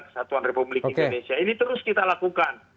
kesatuan republik indonesia ini terus kita lakukan